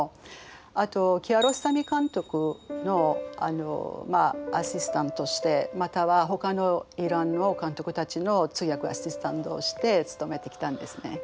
あとキアロスタミ監督のアシスタントしてまたはほかのイランの監督たちの通訳アシスタントをして勤めてきたんですね。